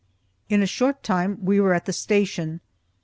In a short time we were at the station.